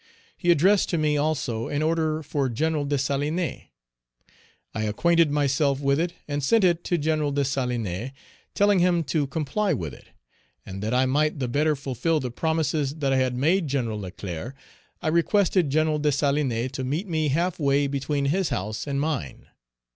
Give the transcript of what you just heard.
He addressed to me also an order for Gen. Dessalines; I acquainted myself with it and sent it to Gen. Dessalines, telling him to comply with it. And that I might the better fulfil the promises that I had made Gen. Leclerc, I requested Gen. Dessalines to meet me half way between his house and mine.